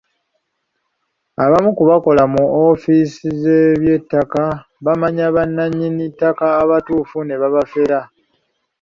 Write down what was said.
Abamu ku bakola mu ofiisi z'eby'ettaka bamanya bannannyini ttaka abatuufu ne babafera.